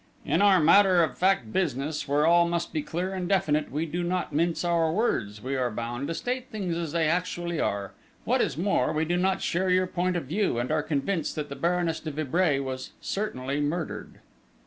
"In our matter of fact business, where all must be clear and definite, we do not mince our words: we are bound to state things as they actually are. What is more, we do not share your point of view, and are convinced that the Baroness de Vibray was certainly murdered."